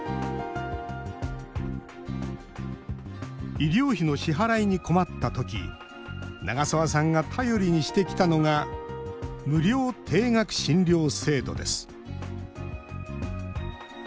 医療費の支払いに困ったとき長澤さんが頼りにしてきたのが無料低額診療制度です。